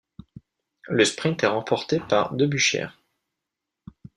Le sprint est remportée par Debusschere.